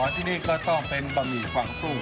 ที่นี่ก็ต้องเป็นบะหมี่กวางตุ้ง